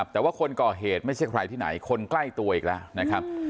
แต่ว่าคนก่อเหตุไม่ใช่ใครที่ไหนคนใกล้ตัวอีกแล้วนะครับ